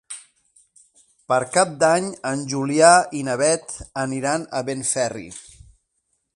Per Cap d'Any en Julià i na Beth aniran a Benferri.